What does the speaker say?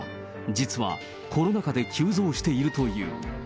実はコロナ禍で急増しているという。